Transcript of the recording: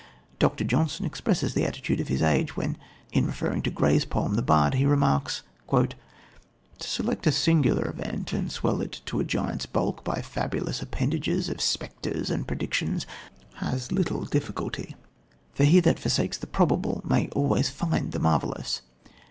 Dr. Johnson expresses the attitude of his age when, in referring to Gray's poem, The Bard, he remarks: "To select a singular event and swell it to a giant's bulk by fabulous appendages of spectres and predictions has little difficulty, for he that forsakes the probable may always find the marvellous.